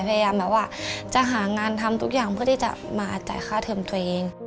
พยายามแบบว่าจะหางานทำทุกอย่างเพื่อที่จะมาจ่ายค่าเทิมตัวเอง